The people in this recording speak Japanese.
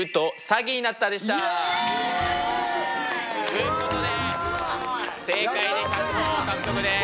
イエイ！ということで正解で１００ほぉ獲得です。